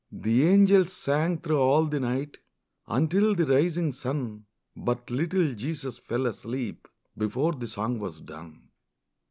The angels sang thro' all the night Until the rising sun, But little Jesus fell asleep Before the song was done.